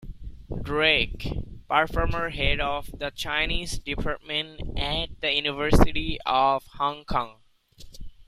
Drake, former head of the Chinese Department at the University of Hong Kong.